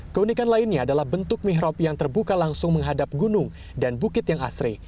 keunikan lainnya adalah bentuk mihrab yang terbuka langsung menghadap gunung dan bukit yang asri